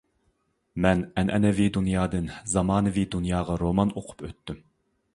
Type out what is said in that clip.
مەن ئەنئەنىۋى دۇنيادىن زامانىۋى دۇنياغا رومان ئوقۇپ ئۆتتۈم.